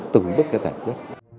từng bước sẽ giải quyết